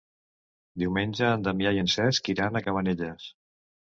Diumenge en Damià i en Cesc iran a Cabanelles.